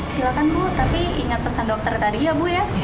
silakan bu tapi ingat pesan dokter tadi ya bu ya